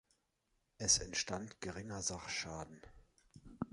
Es entstand geringer Sachschaden.